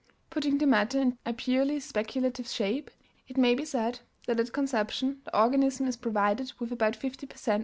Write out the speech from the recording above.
Putting the matter in a purely speculative shape, it may be said that at conception the organism is provided with about 50 per cent.